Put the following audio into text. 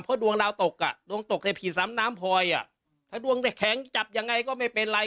เพราะดวงเราตกอ่ะต้องตกได้ผิดสำน้ำภอยอ่ะถ้าร่วงแคงจับยังไงก็ไม่เป็นไร